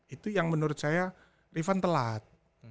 itu yang menurut saya rifan telat